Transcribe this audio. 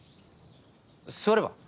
座れば？